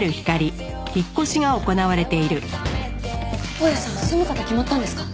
大家さん住む方決まったんですか？